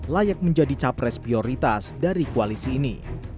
layak menjadi capres prioritas dari koalisi ini